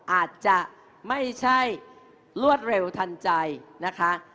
อาจจะไม่ใช่รวดเร็วทันใจนะคะ